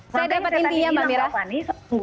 saya dapat intinya mbak mira fani